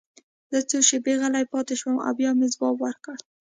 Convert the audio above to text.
زه څو شېبې غلی پاتې شوم او بیا مې ځواب ورکړ